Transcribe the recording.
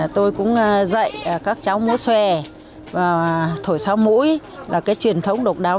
tôi cũng dạy các cháu mũ xòe và thổi sáo mũi là cái truyền thống độc đáo